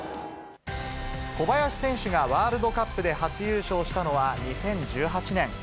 小林選手がワールドカップで初優勝したのは２０１８年。